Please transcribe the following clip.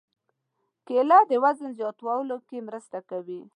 کېله د وزن زیاتولو کې مرسته کوي.